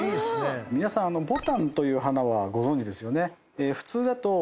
皆さん牡丹という花はご存じですよね。